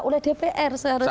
oleh diantara bpm